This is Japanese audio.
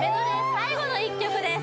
最後の１曲です